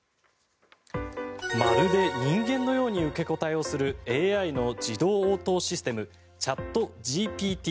まるで人間のように受け答えをするＡＩの自動応答システムチャットＧＰＴ。